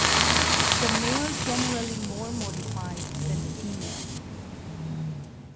THE MALE GENERALLY MORE MODIFIED THAN THE FEMALE.